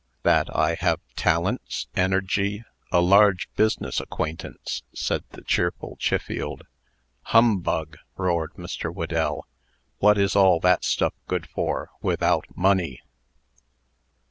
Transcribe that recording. "That I have talents, energy, a large business acquaintance," said the cheerful Chiffield. "Humbug!" roared Mr. Whedell. "What is all that stuff good for, without money?"